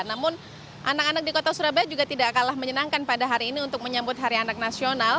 namun anak anak di kota surabaya juga tidak kalah menyenangkan pada hari ini untuk menyambut hari anak nasional